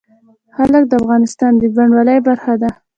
جلګه د افغانستان د بڼوالۍ برخه ده.